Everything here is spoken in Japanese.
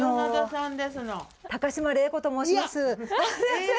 高島礼子と申します。